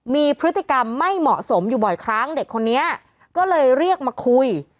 มีพฤติกรรมไม่เหมาะสมอยู่บ่อยครั้งเด็กคนนี้ก็เลยเรียกมาคุย